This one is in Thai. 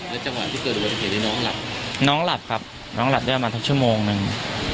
แล้วจังหวะที่เกิดวันเห็นน้องหลับน้องหลับครับน้องหลับด้วยมาทักชั่วโมงหนึ่ง